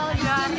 dan juga ada